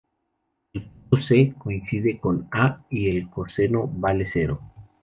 El punto C coincide con A y el coseno vale cero.